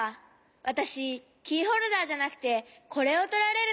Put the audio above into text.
わたしキーホルダーじゃなくてこれをとられるとおもって。